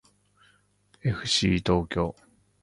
えふしー東京